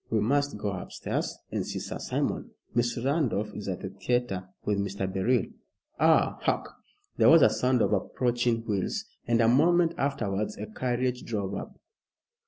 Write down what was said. We must go upstairs and see Sir Simon. Miss Randolph is at the theatre with Mr. Beryl. Ah hark!" There was a sound of approaching wheels, and a moment afterwards a carriage drove up.